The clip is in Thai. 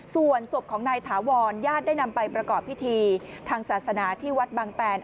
ส่วนศพของนายถาวรญาติได้นำไปประกอบพิธีทางศาสนาที่วัดบางแตน